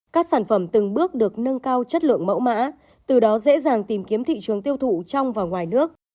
các sản phẩm từng bước được nâng cao chất lượng mẫu mã từ đó dễ dàng tìm kiếm thị trường tiêu thụ trong và ngoài nước